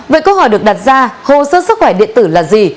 vậy câu hỏi được đặt ra hồ sơ sức khỏe điện tử là gì